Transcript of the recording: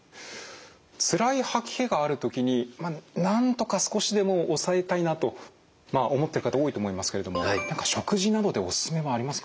つらい吐き気がある時になんとか少しでも抑えたいなと思ってる方多いと思いますけれども何か食事などでおすすめはありますか？